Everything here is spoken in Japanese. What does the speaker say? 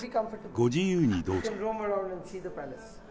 ご自由にどうぞ。